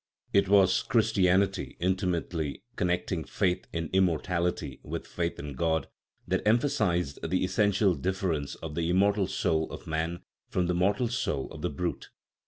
It was Christianity, intimately connecting faith in immortal ity with faith in God, that emphasized the essential difference of the immortal soul of man from the mortal soul of the brute.